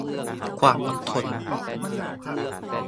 ความอดทน